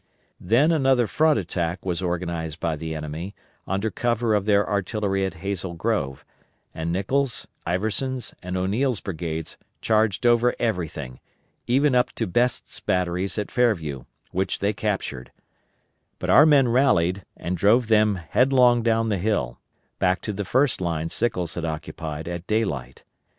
Then another front attack was organized by the enemy, under cover of their artillery at Hazel Grove, and Nicholls', Iverson's, and O'Neill's brigades charged over everything, even up to Best's batteries at Fairview, which they captured; but our men rallied, and drove them headlong down the hill, back to the first line Sickles had occupied at daylight.